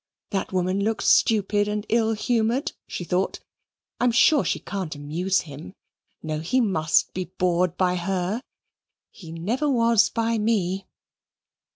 "That woman looks stupid and ill humoured," she thought; "I am sure she can't amuse him. No, he must be bored by her he never was by me."